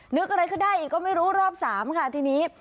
นึกอะไรก็ได้อีกก็ไม่รู้รอบ๓ค่ะทีนี้